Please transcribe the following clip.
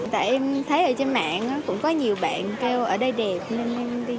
tại em thấy ở trên mạng cũng có nhiều bạn kêu ở đây đẹp nên em đi